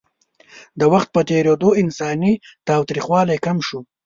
د وخت په تېرېدو انساني تاوتریخوالی کم شو.